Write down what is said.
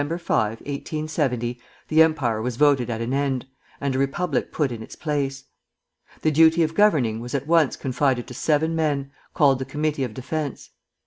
5, 1870, the Empire was voted at an end, and a Republic put in its place. The duty of governing was at once confided to seven men, called the Committee of Defence.